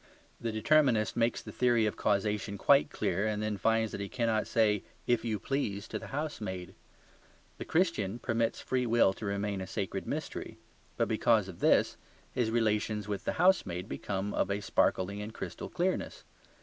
The determinist makes the theory of causation quite clear, and then finds that he cannot say "if you please" to the housemaid. The Christian permits free will to remain a sacred mystery; but because of this his relations with the housemaid become of a sparkling and crystal clearness.